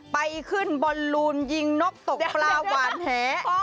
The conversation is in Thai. ไปขึ้นบอลลูนยิงนกตกปลาหวานแห